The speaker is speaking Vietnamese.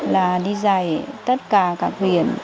là đi dạy tất cả các huyện